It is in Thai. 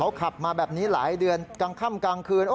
ขับมาแบบนี้หลายเดือนกลางค่ำกลางคืน